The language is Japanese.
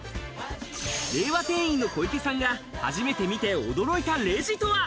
令和店員の小池さんが初めて見て驚いたレジとは？